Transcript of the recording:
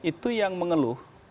itu yang mengeluh